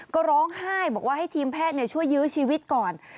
ก็ร้องไห้บอกว่าให้ทีมแพทย์ช่วยยื้อชีวิตก่อน